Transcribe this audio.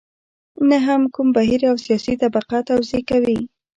نه هم کوم بهیر او سیاسي طبقه توضیح کوي.